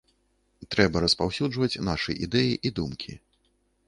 Трэба распаўсюджваць нашы ідэі і думкі.